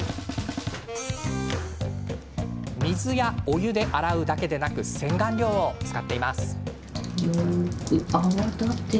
水やお湯で洗うだけでなく洗顔料を使っています。